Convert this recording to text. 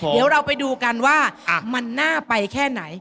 เดี๋ยวเราไปดูกันว่ามันน่าไปแค่ไหน